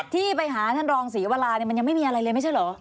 ที่ไปหาท่านรองศรีวรามันยังไม่มีอะไรเลยไม่ใช่เหรอ